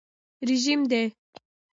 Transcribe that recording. رژیم دی.